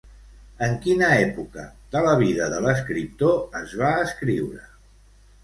En quina època de la vida de l'escriptor es va escriure?